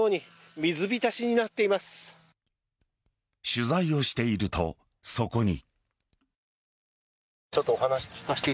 取材をしていると、そこに。